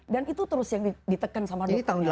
dan itu terus yang ditekan sama dokternya